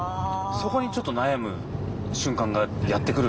そこにチョット悩む瞬間がやって来るんですよね。